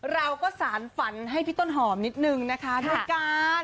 เราก็สารฝันให้พี่ต้นหอมนิดนึงนะคะด้วยกัน